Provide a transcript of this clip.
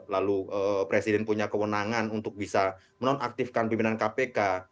lalu presiden punya kewenangan untuk bisa menonaktifkan pimpinan kpk